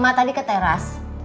ma tadi ke teras